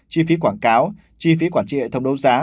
chi phí quảng cáo chi phí quản trị hệ thống đấu giá